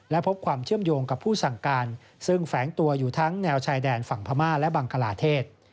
และพบความเชื่อมโยงกับผู้สั่งการซึ่งแฝงตัวอยู่ทั้งแนวชายแดนฝั่งพม่าและบังกลาเทศ